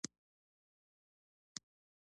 دا سمندرګي د بیرنګ ابنا له لارې نښلول شوي.